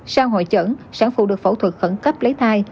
sau hội chẩn sản phụ được phẫu thuật khẩn cấp lấy thai